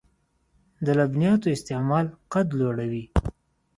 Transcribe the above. د لبنیاتو استعمال قد لوړوي .